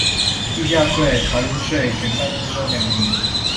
地價稅、房屋稅減半徵收兩年